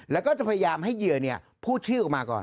แล้วก็จะพยายามให้เยือนี่พูดชื่อกลับมาก่อน